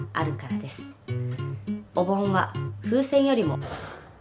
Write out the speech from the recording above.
お盆は風船よりも。